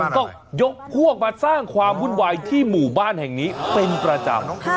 ก็ยกพวกมาสร้างความวุ่นวายที่หมู่บ้านแห่งนี้เป็นประจำ